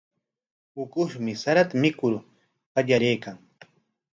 Ukushmi sarata mikur qallariykan.